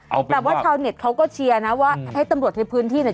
แต่ว่าชาวเน็ตเขาก็เชียร์นะว่าให้ตำรวจในพื้นที่เนี่ย